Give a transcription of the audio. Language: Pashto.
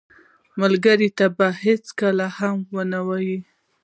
ملګری ته به هېڅکله هم نه وایې